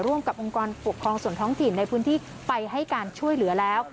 ร่วมกับองค์กรปกครองส่วนท้องถิ่นในพื้นที่ไปให้การช่วยเหลือแล้ว